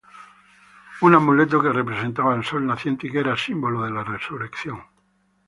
Un amuleto que representaba el Sol naciente y que era símbolo de la resurrección.